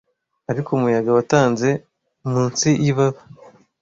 ariko umuyaga watanze munsi yibaba